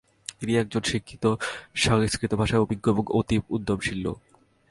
তিনি একজন শিক্ষিত, সংস্কৃত ভাষায় অভিজ্ঞ এবং অতীব উদ্যমশীল লোক।